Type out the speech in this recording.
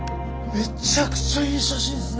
めちゃくちゃいい写真っすね。